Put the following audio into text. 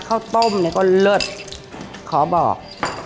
ข้าวต้มเนี่ยก็เลิศขอบอก